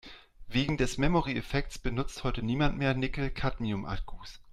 Wegen des Memory-Effekts benutzt heute niemand mehr Nickel-Cadmium-Akkus.